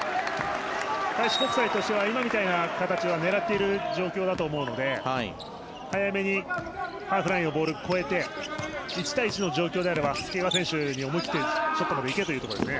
開志国際としては今みたいな形は狙っている状況だと思うので早めにハーフラインをボール、越えて１対１の状況であれば介川選手に思い切ってショットまで行けというところですね。